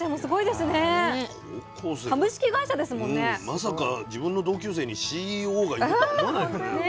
まさか自分の同級生にＣＥＯがいるとは思わないよね。